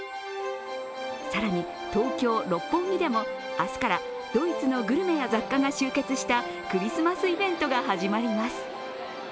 更に東京・六本木でも、明日からドイツのグルメや雑貨が集結したクリスマスイベントが始まります。